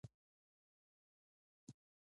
ماشومان په لوبو بوخت دي.